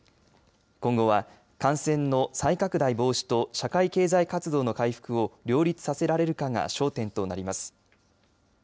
今後は感染の再拡大防止と社会経済活動の回復を両立させられるかが焦点となります。